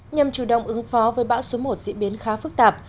nhằm chủ động ứng phó với bão số một diễn biến khá phức tạp